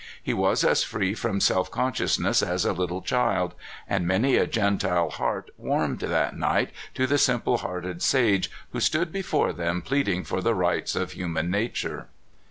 He was as free from self con sciousness as a little child, and iiany a Gentile heart warmed that night to the srnple hearted sage who stood before them pleading for the rights of human nature.